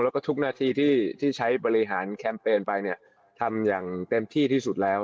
แล้วก็ทุกหน้าที่ที่ใช้บริหารแคมเปญไปเนี่ยทำอย่างเต็มที่ที่สุดแล้ว